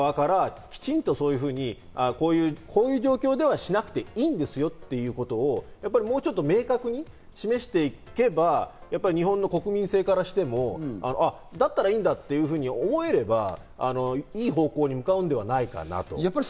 こういう状況ではしなくていいんですよということを明確に示していけば、日本の国民性からしても、だったらいいんだというふうに思えれば、いい方向に向かうんではないかなと。